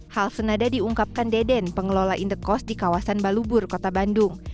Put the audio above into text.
hal senada diungkapkan deden pengelola in the coast di kawasan balubur kota bandung